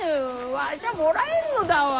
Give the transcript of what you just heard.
わしゃもらえんのだわ。